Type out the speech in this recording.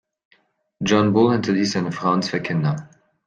John Bull hinterließ seine Frau und zwei Kinder.